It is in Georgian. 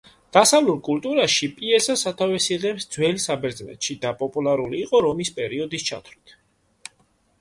დასავლურ კულტურაში პიესა სათავეს იღებს ძველ საბერძნეთში და პოპულარული იყო რომის პერიოდის ჩათვლით.